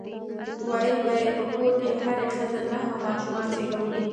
ويل به يې په کور کې هرې ښځې نهه ماشومان زيږولي.